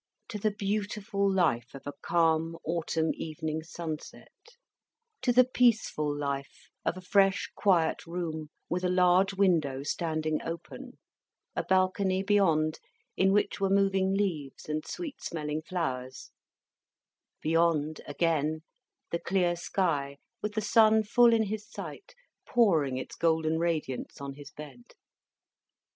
To the beautiful life of a calm autumn evening sunset, to the peaceful life of a fresh quiet room with a large window standing open; a balcony beyond, in which were moving leaves and sweet smelling flowers; beyond, again, the clear sky, with the sun full in his sight, pouring its golden radiance on his bed.